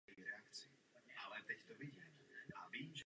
Na tom bychom se měli vzájemně dohodnout a spolupracovat.